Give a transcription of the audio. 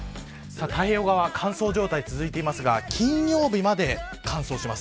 太平洋側は乾燥状態が続いていますが金曜日まで乾燥します。